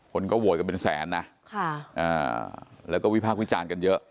คนก็โหวตกันเป็นแสนนะแล้วก็วิพากษ์วิจารณ์กันเยอะ